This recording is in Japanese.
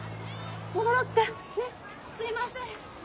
戻ろっかねっすいません。